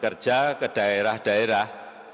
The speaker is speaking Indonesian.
kerja ke daerah daerah